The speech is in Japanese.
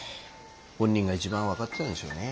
本人が一番分かってたんでしょうね。